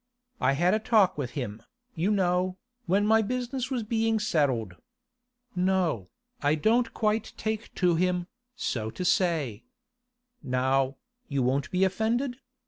I had a talk with him, you know, when my business was being settled. No, I don't quite take to him, so to say. Now, you won't be offended?